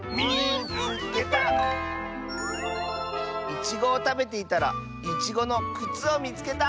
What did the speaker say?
「いちごをたべていたらいちごのくつをみつけた！」。